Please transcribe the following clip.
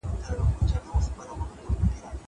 زه به سبا پوښتنه وکړم.